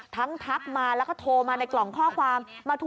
ทักมาแล้วก็โทรมาในกล่องข้อความ